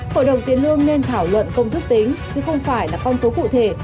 hội đồng tiền lương nên thảo luận công thức tính chứ không phải là con số cụ thể